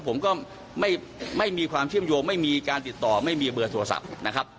ผมก็ไม่มีความเชื่อมโยงไม่มีการติดต่อไม่มีเบอร์โทรศัพท์นะครับ